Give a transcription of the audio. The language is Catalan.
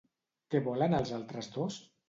Què volen els altres dos?